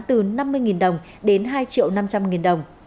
từ năm mươi đồng đến hai triệu năm trăm linh nghìn đồng